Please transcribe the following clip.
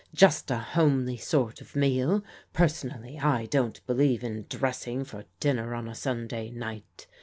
" Just a homely sort of meal. Personally I don't believe in dressing for dinner on a Sunday night.